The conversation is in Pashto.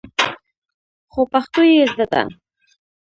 خو پښتو يې زده ده.